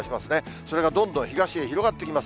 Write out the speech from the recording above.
それがどんどん東へ広がってきます。